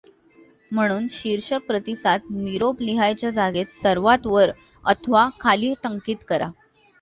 म्हणून शीर्षक प्रतिसाद निरोप लिहायच्या जागेत सर्वांत वर अथवा खाली टंकित करा.